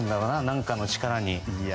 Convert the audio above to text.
何かの力に。